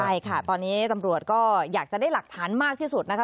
ใช่ค่ะตอนนี้ตำรวจก็อยากจะได้หลักฐานมากที่สุดนะคะ